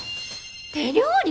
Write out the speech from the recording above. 手料理？